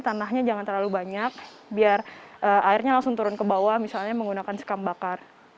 tanahnya jangan terlalu banyak biar airnya langsung turun ke bawah misalnya menggunakan sekam bakar